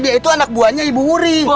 dia itu anak buahnya ibu wuri